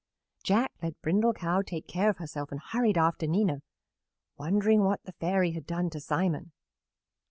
Jack let Brindle Cow take care of herself and hurried after Nina, wondering what the Fairy had done to Simon.